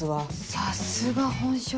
さすが本職。